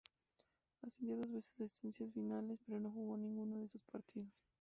Accedió dos veces a estancias finales, pero no jugó ninguno de esos partidos.